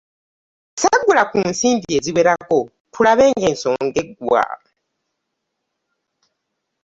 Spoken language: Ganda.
Ssaggula ku nsimbi eziwerako tulabe ensonga ng'eggwa.